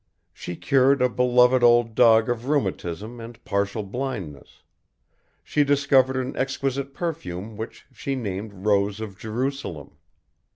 She cured a beloved old dog of rheumatism and partial blindness. She discovered an exquisite perfume which she named Rose of Jerusalem.